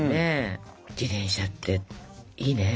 自転車っていいね。